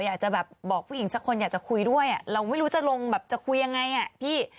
อยากจะแบบบอกผู้หญิงสักคนอยากจะคุยด้วยเราไม่รู้จะลงแบบจะคุยยังไงอ่ะพี่